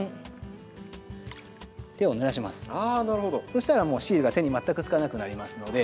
そしたらもうシールが手に全くつかなくなりますので。